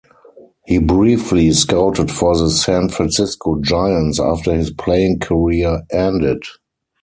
He briefly scouted for the San Francisco Giants after his playing career ended.